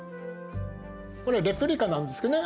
これレプリカなんですけどね